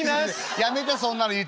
「やめてそんなの言ってあげるの」。